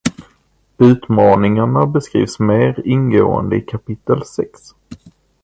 Utmaningarna beskrivs mer ingående i kapitel sex.